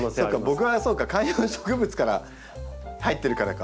僕はそうか観葉植物から入ってるからか。